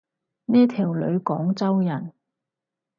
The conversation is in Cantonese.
呢條女廣州人